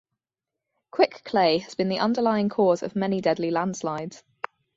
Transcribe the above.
Quick clay has been the underlying cause of many deadly landslides.